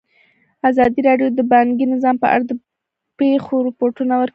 ازادي راډیو د بانکي نظام په اړه د پېښو رپوټونه ورکړي.